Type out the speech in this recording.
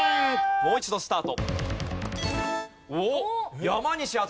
もう一度スタート。